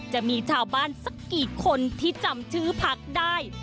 จะมีชาวบ้านสักกี่คนที่จำชื่อพักได้